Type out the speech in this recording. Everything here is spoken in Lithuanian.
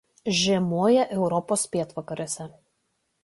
Žiemoja Europos pietvakariuose.